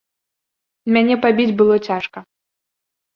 Мяне пабіць было цяжка.